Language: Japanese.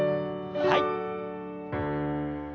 はい。